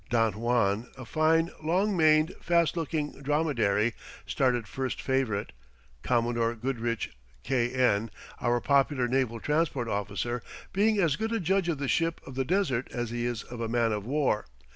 Don Juan, a fine, long maned, fast looking dromedary, started first favorite, Commodore Goodridge, K. N., our popular naval transport officer, being as good a judge of the ship of the desert as he is of a man of war.